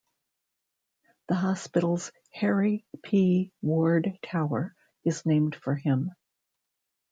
The hospital's Harry P. Ward Tower is named for him.